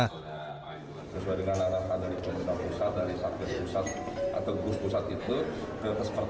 pusat dari satgas pusat atau kursus pusat itu